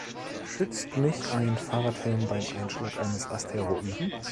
Schützt mich ein Fahrradhelm beim Einschlag eines Asteroiden?